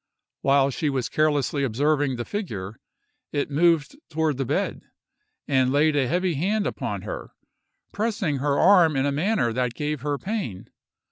While she was carelessly observing the figure, it moved toward the bed, and laid a heavy hand upon her, pressing her arm in a manner that gave her pain.